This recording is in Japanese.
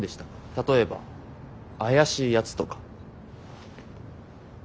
例えば怪しいやつとか。